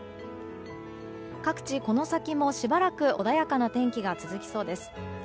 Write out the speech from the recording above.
各地この先もしばらく穏やかな天気が続きそうです。